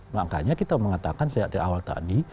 makanya kita mengatakan sejak dari awal tadi